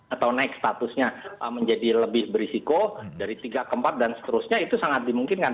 atau naik statusnya menjadi lebih berisiko dari tiga ke empat dan seterusnya itu sangat dimungkinkan